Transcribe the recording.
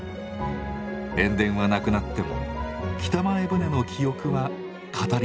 塩田はなくなっても北前船の記憶は語り継がれていきます。